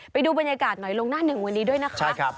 ไปดูบรรยากาศหน่อยลงหน้าหนึ่งวันนี้ด้วยนะคะ